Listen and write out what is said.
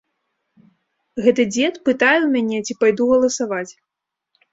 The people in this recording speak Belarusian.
Гэты дзед пытае ў мяне, ці пайду галасаваць.